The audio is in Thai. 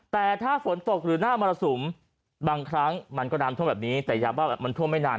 แต่ถ้าฝนตกหรือหน้ามรสุมบางครั้งมันก็น้ำท่วมแบบนี้แต่ยาบ้าแบบมันท่วมไม่นาน